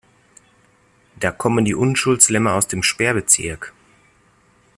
Da kommen die Unschuldslämmer aus dem Sperrbezirk.